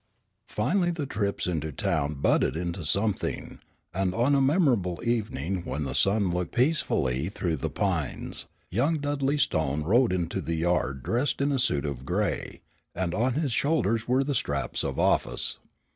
Finally the trips into town budded into something, and on a memorable evening when the sun looked peacefully through the pines, young Dudley Stone rode into the yard dressed in a suit of gray, and on his shoulders were the straps of office.